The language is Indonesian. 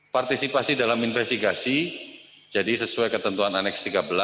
partisipasi dalam investigasi jadi sesuai ketentuan annex tiga belas